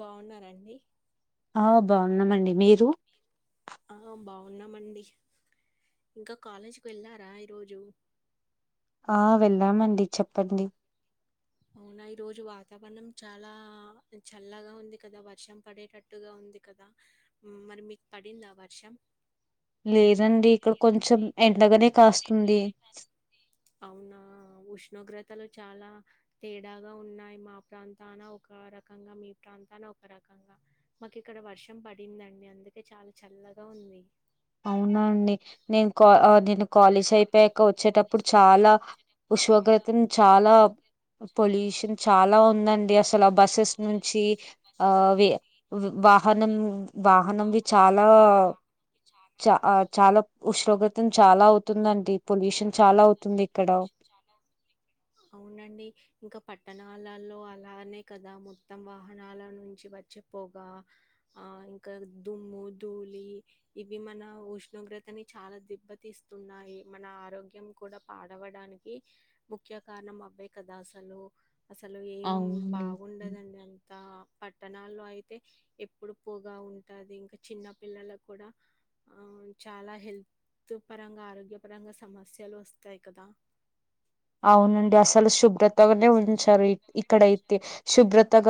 బాగున్నారండి ఆ బాగున్నామండి మీరు ఆ బాగున్నామండి ఇంకా కాలేజీకి వెళ్ళారా ఈరోజు ఆ వెళ్ళామండి చెప్పండి అవునా ఈ రోజు వాతావరణం చాలా చల్లగా ఉంది కదా వర్షం పడేటట్టుగా ఉంది కదా మరి మీకు పడిందా వర్షం లేదండి ఇక్కడ కొంచెం ఎండగానే కాస్తుంది అవునా ఉష్ణోగ్రతలు చాలా తేడాగా ఉన్నాయి మా ప్రాంతాన ఒక రకంగా మీ ప్రాంతాన ఒక రకంగా మాకు ఇక్కడ వర్షం పడిందండి అందుకే చాలా చల్లగా ఉంది అవునండి నేను కా నేను కాలేజ్ కా ఆ అయిపోయాక నేను కాలేజ్ వచ్చేటప్పుడు అయిపోయాక చాలా వచ్చేటప్పుడు చాలా ఉసోగ్రతన్ చాలా విశ్వక చాలా పొల్యూషన్ చాలా ఉందండి పొల్యూషన్ అస్సల చాలా బస్సెస్ ఉందండి నుంచి అసలు ఆ బస్సెస్ వే నుంచి ఆ వాహనం వే వాహనంవి వాహనం చాలా వాహనంకి చాలా చ చాలా చా ఉష్ణోగ్రతం చాలా శ్రమ అవుతుందండి పొల్యూషన్ చాలా అవుతుందండి అవుతుంది ఇక్కడ. పొల్యూషన్ చాలా అవుతుంది కాలల్లో అలానే కదా మొత్తం వాహనాల నుంచి వచ్చిపోగా ఆ ఇంకా దుమ్ము, ధూళి ఇవి మన ఉష్ణోగ్రతని చాలా దెబ్బతీస్తున్నాయి. మన ఆరోగ్యం కూడా పాడవడానికి ముఖ్య కారణం అవే కదా అసలు. అసలు ఏం అవునండి బాగుండదండి అంతా పట్టణాల్లో అయితే ఎప్పుడు పోగా ఉ ఉంటది ఇంకా చిన్న పిల్లలకు కూడా ఆ చాలా హెల్త్ పరంగా, ఆరోగ్య పరంగా సమస్యలు వస్తాయి కదా. అవునండి అస్ తలు అవునండి శుభ్రతగానే అసలు ఉంచారు. శుభ్రతగానే ఇక్కడయితే ఉంచారు శుభ్రత ఇక్కడైతే తగ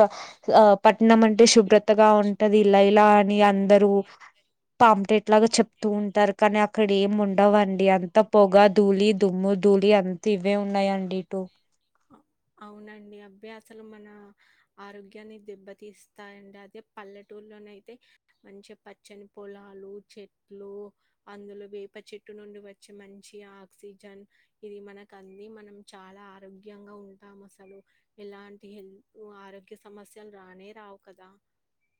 ఆ శుభ్రతగా పట్నం అంటే ఆ, శుభ్రత పట్నం కొత్తగా అంటే ఉంటది శుభ్రతగా ఉంటది లైలాన్ మీ ఇలా ఇలా అందరూ అని అందరూ పాంపటేట్లాగా చెప్తూ పాంప్లెట్ లాగా ఉంటారు. కానీ అక్కడ చెప్తుంటారు ఏం కానీ అక్కడ ఏమి ఉండవండి అంత ఉండవండి పొగ, అంత ధూలి, పొగ దుమ్ము, ధూళి ధూలి అ దుమ్ము ఇవ్వే ధూళి ఉన్నాయండి అంతేనే ఇటు ఉన్నాయండి అ- అవునండి అవి అసలు మన ఆరోగ్యాన్ని దెబ్బతీస్తాయండి. అదే పల్లెటూరులోనే అయితే మంచి పచ్చని పొలాలు, చెట్లు అందులో వేప చెట్టు నుండి వచ్చే మంచి ఆక్సిజన్ ఇది మనకు అంది మనం చాలా ఆరోగ్యంగా ఉం తామసలు ఎలాంటి హెల్త్ ఆరోగ్య సమస్యలు రానే రావు కదా.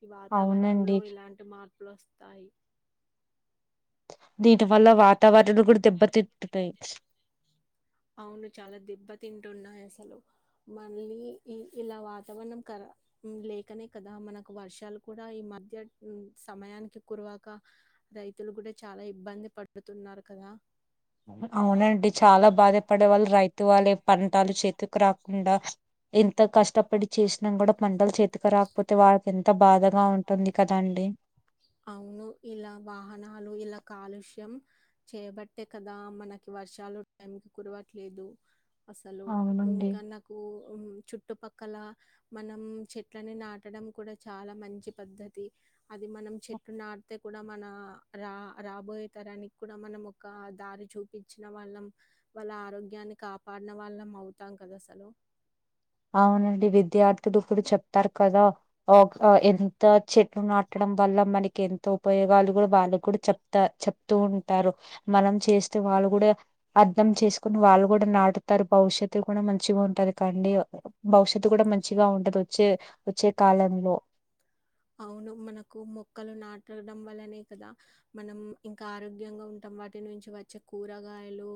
ఈ అవునండి వాతావరణంలో ఇలాంటి మార్పులు వస్తాయి. దీని వల్ల వాతావరణం కూడా దెబ్బతింటున్నా యి. స్ అవును చాలా దెబ్బతింటున్నాయి అసలు. మళ్ళీ ఈ ఇలా వాతావరణం కర లేకనే కదా మనకు వర్షాలు కూడా ఈ మధ్య సమయానికి కురవక రైతులు కూడా చాలా ఇబ్బంది పడుతున్నారు కదా. అవునండి చాలా బాధపడే వాళ్ళు రైతు వాళ్ళే పంటలు చేతికి రాకుండా ఎంత కష్టపడి చేసినా కూడా పంటలు చేతికి రాకపోతే వాళ్ళకి ఎంత బాధగా ఉంటుంది కదండి. అవును ఇలా వాహనాలు ఇలా కాలుష్యం చేయబట్టే కదా మనకి వర్షాలు టైం కు కురవట్లేదు. అసలు అవునండి ఇంకా నాకు ఉ ఉమ్ చు చుట్టుపక్కల మనం చెట్లని నాటడం కూడా చాలా మంచి పద్ధతి. అది మనం చెట్టు నాడితే కూడా మన రా రాబోయే తరానికి కూడా మనం ఒక దారి చూపించిన వాళ్ళం వాళ్ళ ఆరోగ్యాన్ని కాపాడిన వాళ్ళం అవుతాం కదా అసలు. అవునండి విద్యార్థులు కూడా చెప్తారు కదా. ఒక ఎంత చెట్లు నాటడం వల్ల మనకి ఎంత ఉపయోగాలు కూడా వాళ్ళు కూడా చెప్తా చెప్తూ ఉంటారు. మనం చేస్తే వాళ్ళు కూడా అర్థం చేసుకొని వాళ్ళు కూడా నాటుతారు. భవిష్యత్తు కూడా మంచిగా ఉంటది కాండి భవిష్యత్తు కూడా మంచిగా ఉంటదు వచ్చే వచ్చే కాలం అవును మనకు మొక్కలు నా తరగడం వల్లనే కదా మనం ఇంకా ఆరోగ్యంగా ఉంటాం. వాటి నుంచి వచ్చే కూరగాయలు,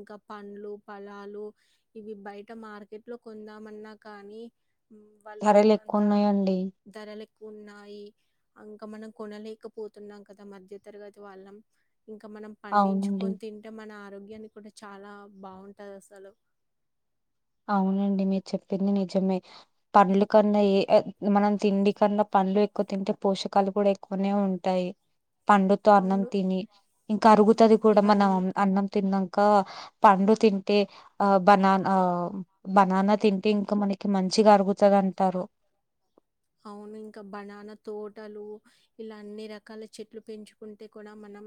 ఇంకా పండ్లు, ఫలాలు ఇవి బయట మార్కెట్ లో కొందామన్నా కానీ వాళ్ళు ధరలు అంత ఎక్కువ ఉన్నాయండి ధరలు ఎక్కువ ఉన్నాయి అంగ్ ఇక మనం కొనలేకపోతున్నాం కదా మధ్య తరగతి వాళ్ళం ఇంకా మనం అవునండి పండించుకొని తింటే మన ఆరోగ్యం ఈయన్ని కూడా చాలా బావుంటది అసలు అవునండి మీరు చెప్పింది నిజమే పండ్లు కన్నా ఏ ఏ మనం తిండి కన్నా పండ్లు ఎక్కువ తింటే పోషకాలు కూడా ఎక్కువనే ఉంటాయి. పండుతో అన్నం అవును. తిని ఇంకా అరుగుతది కూడా మనం ఇవన్నీ అన్నం తిన్నాం క పండు తింటే ఆ బనాన్ బనానా తింటే ఇంకా మనకి మంచిగా అరుగుతుంది అంటారు అవును ఇంకా బనానా తోటలు ఇలా అన్ని రకాల చెట్లు పెంచుకుంటే కూడా మనం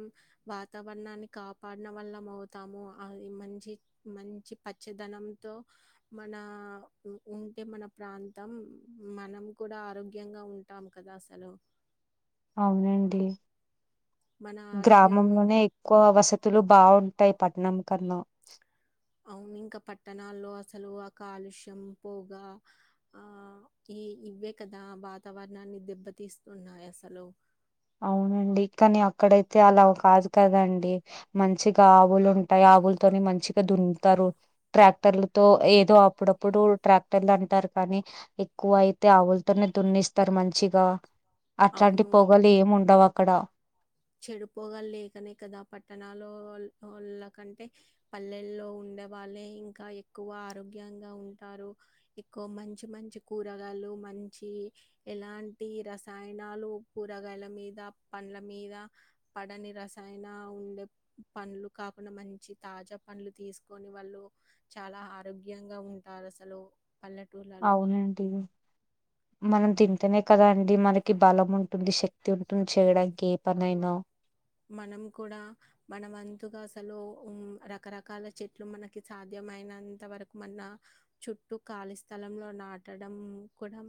వాతావరణాన్ని కాపాడన వల్లం అవుతాము అది మంచి మంచి పచ్చదనంతో మన ఉంటే మన ప్రాంతం మనం కూడా ఆరోగ్యంగా ఉంటాము కదా అసలు అవునండి మన ఆరోగ్యం గ్రామంలోనే ఎక్కువ వసతులు బాగుంటాయి పట్టణం కన్నా అవును ఇంకా పట్టణాల్లో అసలు ఆ కాలుష్యం పొగ ఆ ఈ ఇవే కదా వాతావరణాన్ని దెబ్బతీస్తున్నాయి అసలు అవునండి కానీ అక్కడైతే అలా కాదు కదండి మంచిగా ఆవులు ఉంటాయి ఆవులతోని మంచిగా ద్దునుతారు ట్రాక్టర్లు తో ఏదో అప్పుడప్పుడు ట్రాక్టర్లు అంటారు కానీ ఎక్కువ అయితే ఆవులతోనే దున్నిస్తారు మంచిగా అట్లాంటి పో చెడుపోగాలి లేకనే కదా పట్టణాలో వాళ్ల కంటే పల్లెల్లో ఉండేవాళ్లే ఇంకా ఎక్కువ ఆరోగ్యంగా ఉంటారు ఇంకో మంచి మంచి కూరగాయలు మంచి ఎలాంటి రస రసాయనాలు కూరగాయల మీద పండ్ల మీద పడని రసాయన ఉండే పండ్లు కాకుండా మంచి తాజా పండ్లు తీసుకొని వాళ్ళు చాలా ఆరోగ్యంగా ఉంటారు అసలు పల్లెటూర్లలో అవునడి మనం తింటేనే కదా అండి మనకి బలం ఉంటుంది శక్తి ఉంటుంది చేయడానికి ఏ పనైనా మనం కూడా మనమంతుగా అసలు రకరకాల చెట్లు మనకి సాధ్యమైనంత వరకు మన చుట్టూ ఖాళీ స్థలంలో నాటడం కూడా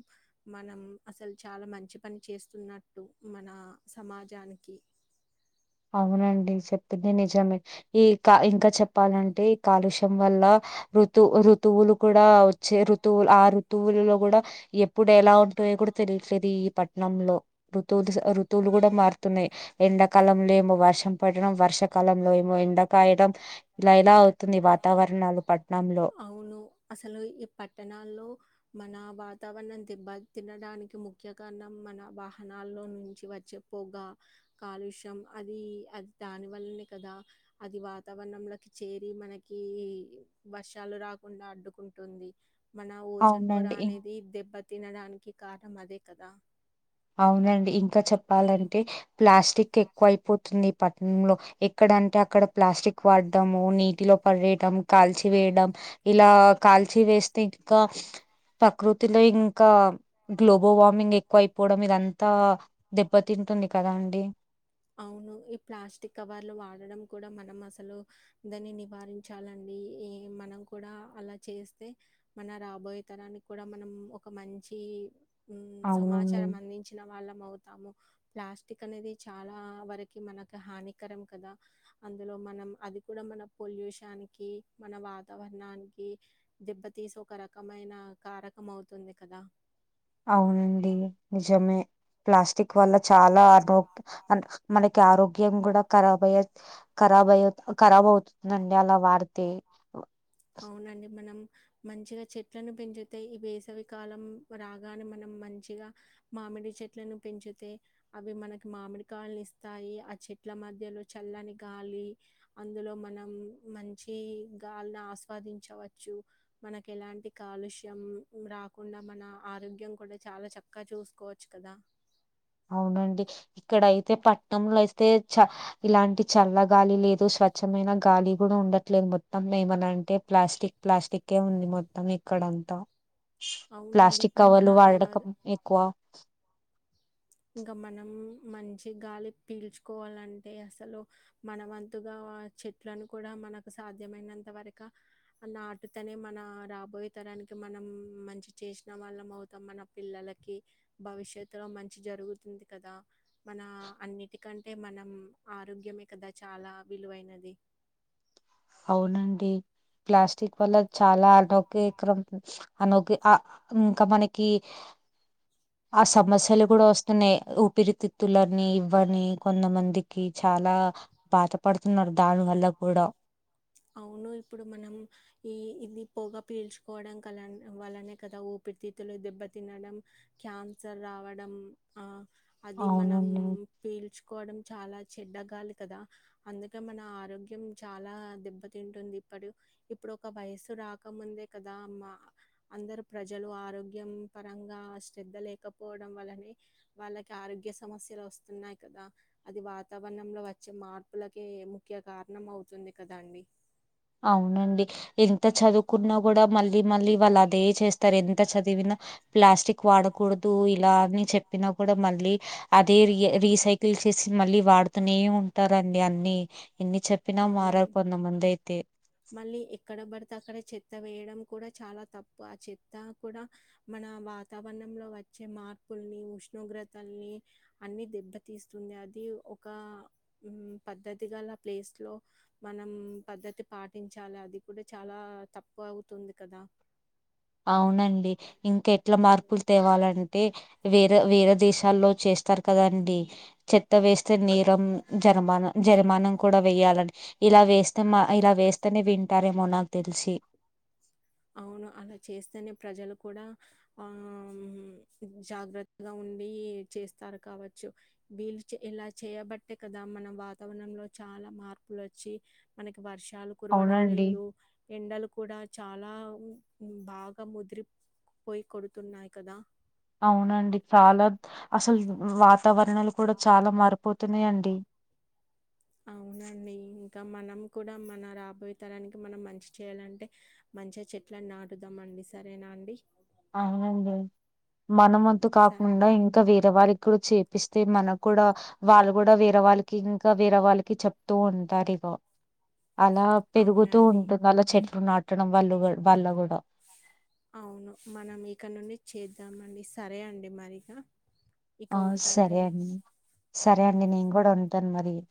మనం అసలు చాలా మంచి పని చేస్తున్నట్టు మన సమాజానికి అవునండి చెప్తుంది నిజమే ఈ ఇంకా చెప్పాలంటే ఈ కాలుష్యం వల్ల ఋతు ఋతువులు కూడా వచ్చే ఋతువులు ఆ ఋతువులో కూడా ఎప్పుడు ఎలా ఉంటాయో కూడా తెలియట్లేదు ఈ పట్ణంలో ఋతువులు ఋతువులు కూడా మారుతున్నాయి ఎండాకాలం లే ము వష పడడం వర్షాకాలంలో ఏమో ఎండకాయడం ఇలా ఇలా అవుతుంది వాతావరణాలు పట్టణంలో అవును. అసలు ఈ పట్టణాల్లో మన వాతావరణం తిబ తినడానికి ముఖ్య కారణం మన వాహనాల్లో నుంచి వచ్చే పొగ కాలుష్యం అది అది దాని వల్లనే కదా అది వాతావరణంలోకి చేరి మనకి వర్షాలు రాకుండా అడ్డుకుంటుంది మన ఓజన్ పొర అవునండి అనేది దెబ్బతి తినడానికి కారణం అదే కదా అవునండి ఇంకా చెప్పాలంటే ప్లాస్టిక్ క్ ఎక్కువ అయిపోతుంది పట్టణంలో ఎక్కడంటే అక్కడ ప్లాస్టిక్ వాడడము నీటిలో పడేయడం కాల్చి వేయడం ఇలా కాల్చి వేస్తే ఇంకా ప్రకృతిలో ఇంకా గ్లోబల్ వార్మింగ్ ఎక్కువయిపో పోడం ఇదంతా దెబ్బతింటుంది కదా అండి అవును ఈ ప్లాస్టిక్ కవర్లు వాడడం కూడా మనం అసలు దాన్ని నివారించాలండి ఈ మనం కూడా అలా చేస్తే మన రాబోయే తరానికి కూడా మనం ఒక మంచి ఉ అవునండి సమాచారం అందించిన వాళ్ళం అవుతాము ప్లాస్టిక్ అనేది చాలా వరకి మనకి హానికరం కదా అందులో మనం అది కూడా మన పొల్యూషన్ క మన వాతావరణానికి దెబ్బతీసి ఒక రకమైన కారకం అవుతుంది కదా అవునండి నిజమే ప్లాస్టిక్ వల్ల చాలా ఆ అ మనకి ఆరోగ్యం కూడా కరాబ్ అయ్యే ఖరాబ్ అయ్య ఖరాబ్ అవుతుందండి అలా వాడితే అవునండి మనం మంచిగా చెట్లను పెంచుతే ఈ వేసవికాలం రాగానే మనం మంచిగా మామిడి చెట్లను పెంచుతా అవి మనకి మామిడి కాయని ఇస్తాయి ఆ చెట్ల మధ్యలో చల్లని గాలి అందులో మనం మంచి గాలిని ఆసు ఉపాదించవచ్చు మనకి ఎలాంటి కాలుష్యం రాకుండా మన ఆరోగ్యం కూడా చాలా చక్కగా చూసుకోవచ్చు కదా అవునండి ఇక్కడ అయితే పట్టనంలో అయితే చ ఇలాంటి చల్ల గాలి లేదు స్వచ్ఛమైన గాలి కూడా ఉండట్లేదు మొత్తం ఏమన అంటే ప్లాస్టిక్ ప్లాస్టిక్ే ఉంది మొత్తం ఇక్కడంతా అవునండి ప్లాస్టిక్ కవర్లు పట్టణాల్లో వాడటకం ఎక్కువ ఇంకా మనం మంచి గాలి పీల్చుకోవాలంటే అసలు మన వంతుగా చెట్లను కూడా మనకు సాధ్యమైనంత వరక నాటుతనే మన రాబోయే తరానికి మనం మంచి చేసిన వాళ్ళం అవుతాం మన పిల్లలకి భవిష్యత్తులో మంచి మ జరుగుతుంది కదా మన అన్నిటికంటే మనం ఆరోగ్యమే కదా చాలా విలువైనది అవునండి ప్లాస్టిక్ వల్ల చాలా అనౌగ్యకరం అనౌ ఇంకా మనకి ఆ సమస్యలు కూడా వస్తున్నాయి పిరితిత్తులని ఇవ్వని కొంతమందికి చాలా బాధపడుతున్నారు దాని వల్ల కూడా అవును ఇప్పుడు మనం ఈ ఇది పొగా పీల్చుకోవడం కల వలనే కదా ఊపిరితితులు దెబ్బ తినడం క్యాన్సర్ రావడం ఆ అది మనం అవునండి పీల్చుకోవడం చాలా చెడ్డగాలి కదా అందుకే మన ఆరోగ్యం చాలా దెబ్ త తింటుంది ఇప్పుడు ఇప్పుడు ఒక వయసు రాకముందే కదా మా అందరు ప్రజలు ఆరోగ్యం పరంగా శ్రధ లేకపోవడం వలనే వాళ్ళకి ఆరోగ్య సమస్యలు వస్తున్నాయి కదా అది వాతావరణంలో వచ్చే మార్పులకే ముఖ్య కారణం అవుతుంది కదా అండి అవునండి ఎంత చదువుకున్నా కూడా మళ్ళీ మళ్ళీ వాళ్ళు అదే చేస్తారు ఎంత చదివినా ప్లాస్టిక్ వాడకూడదు ఇలా అని చెప్ప చెప్పినా కూడా మళ్ళీ అదే ర రీసైకిల్ చేసి మళ్ళీ వాడుతూనే ఉంటారంండి అన్ని ఎన్ని చెప్పినా మారారు అవునండి. కొంతమంది అయితే మళ్ళీ ఎక్కడ పడితే అక్కడ చెత్త వేయడం కూడా చాలా తప్పు ఆ చెత్త కూడా మన వాతావరణంలో వచ్చే మార్పుల్ని ఉష్ణోగ్రతల్ని అన్ని దెబ్బతీస్తుంది అది ఒక పద్ధతి గల ప్లేస్ ఇట్ లో మనం పద్ధతి పాటించాలి అది కూడా చాలా తక్కువ అవుతుంది కదా అవునండి ఇంకె ఇట్లా మార్పులు తేవాలంటే వేరే వేరే దేశాల్లో చేస్తారు కదండి చెత్త వేస్తే నేరం జరమాన జరిమాన కూడా వేయాల ఇలా వేస్తే మా ఇలా వేస్తేనే వింటారేమో నాకు తెలిసి అవును అలా చేస్తేనే ప్రజలు కూడా ఆ జాగ్రత్తగా ఉండి చేస్తారు కావచ్చు వీళు ఇలా చేయబట్టే కదా మన వాతావరణంలో చాలా మార్పులు వచ్చి మనకి వర్ష కురవడం అవునండి. లేదు ఎండలు కూడా చ చాలా బాగా ముదిరిపోయి కొడుతున్నాయి కదా అవునండి చాలా అసలు వాతావరణాలు కూడా చాలా మారిపోతున్నాయండి అవునండి ఇంకా మనం కూడా మన రాబోయే తరానికి మనం మంచి చేయాలంటే మంచిగా చెట్ల నాటుదాం అండి సరేనా అండి అవునండి మన వంతు స కాకుండా ఇంకా వేరే వాళ్ళకి కూడా చేపిస్తే మన కూడా వాళ్ళు కూడా వేరే వాళ్ళకి ఇంకా వేరే వాళ్ళకి చెప్తూ ఉంటారు ఇగో అలా పెరుగుతూ అవునండి. ఉంటుంది అలా చెట్లు నాటు కట్టడం వల్ళ వాళ్ళుగూడ అవును మనం ఇక నుండి చేద్దామండి సరే అండి మరి క ఆ సరే అండి సరే ఉమ్ అండి నేను కూడా వుంటాను మరి అ